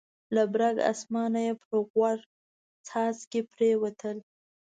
له برګ اسمانه یې پر غوږ څاڅکي پرېوتل.